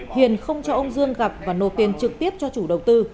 hiền không cho ông dương gặp và nộp tiền trực tiếp cho chủ đầu tư